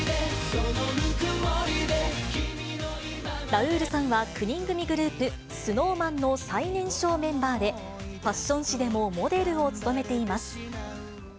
ラウールさんは９人組グループ、ＳｎｏｗＭａｎの最年少メンバーで、ファッション誌でもモデルを務めています。